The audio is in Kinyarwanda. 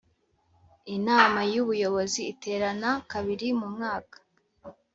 Inama y Ubuyobozi iterana kabili mu mwaka